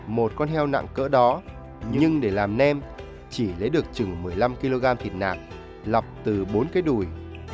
một con heo nặng cỡ đó nhưng để làm nem chỉ lấy được chừng một mươi năm kg thịt nặng lọc từ bốn cái đùi